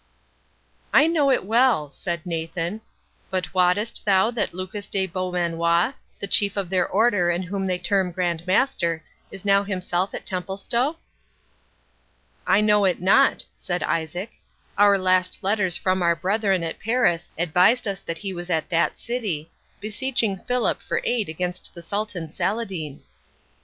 48 "I know it well," said Nathan; "but wottest thou that Lucas de Beaumanoir, the chief of their Order, and whom they term Grand Master, is now himself at Templestowe?" "I know it not," said Isaac; "our last letters from our brethren at Paris advised us that he was at that city, beseeching Philip for aid against the Sultan Saladine."